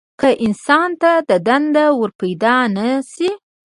که انسان ته دنده ورپیدا نه شي.